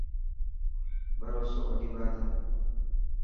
ڀروسو وڏي بات هي.